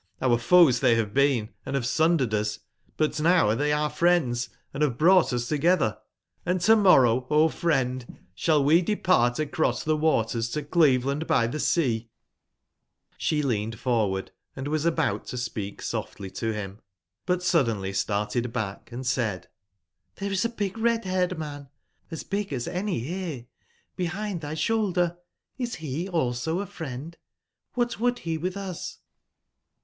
Our foes they have been, and have sundered us ; but now are they our friends, and have brought us together. Hnd to/morrow,0 friend, shall we depart across the waters to Cleveland by the Sea''i7She leaned forward, and was about to speak softly to him, but suddenly started back, and said: XibcYC is a big, red/haired man , as big as any here, be hind thy shoulder. Is he also a friend? Qlhat would he with us